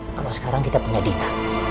kalau sekarang kita punya dina